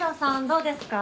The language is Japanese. どうですか？